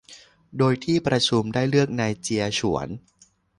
โดยที่ประชุมได้เลือกนายเจียฉวน